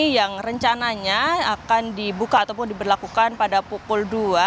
yang rencananya akan dibuka ataupun diberlakukan pada pukul dua